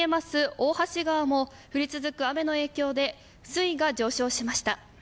大橋川も降り続く雨の影響で水位が上昇しました。